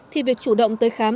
thì việc chủ động tới khám